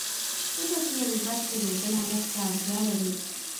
د داسې یوې برخې روزنه موږ ته اړتیا لري.